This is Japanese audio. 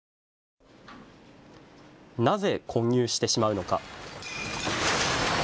なぜ混入してしまうのか。